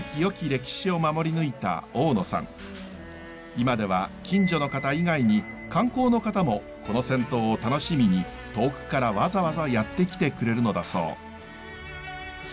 今では近所の方以外に観光の方もこの銭湯を楽しみに遠くからわざわざやって来てくれるのだそう。